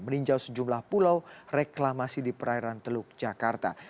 meninjau sejumlah pulau reklamasi di perairan teluk jakarta